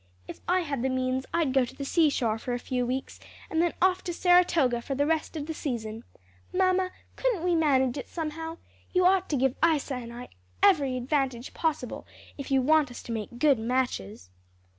If I had the means I'd go to the seashore for a few weeks, and then off to Saratoga for the rest of the season, Mamma, couldn't we manage it somehow? You ought to give Isa and me every advantage possible, if you want us to make good matches."